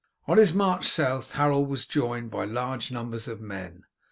On his march south Harold was joined by large numbers of men.